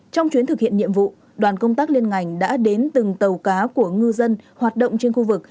trong chuyến thực hiện nhiệm vụ đoàn công tác liên ngành đã đến từng tàu cá của ngư dân hoạt động trên khu vực